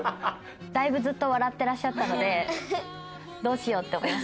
だいぶずっと笑ってらっしゃったのでどうしようって思いました。